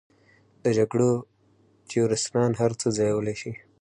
د جګړو تیورسنان هر څه ځایولی شي.